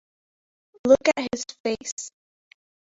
Look at his face.